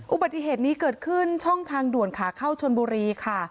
อุบัติเหตุนี้เกิดขึ้นช่องทางด่วนขาเข้าชนบุรีค่ะ